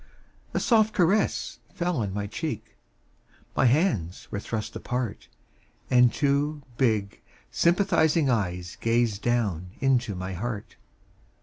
A soft caress fell on my cheek, My hands were thrust apart. And two big sympathizing eyes Gazed down into my heart.